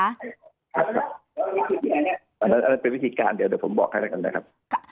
ครับนั่นเป็นวิธีการเดี๋ยวเดี๋ยวผมบอกให้ละกันนะครับ